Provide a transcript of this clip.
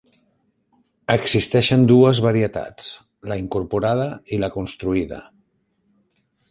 Existeixen dues varietats, la incorporada i la construïda.